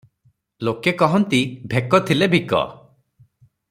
ଲୋକେ କହନ୍ତି, "ଭେକ ଥିଲେ ଭିକ ।"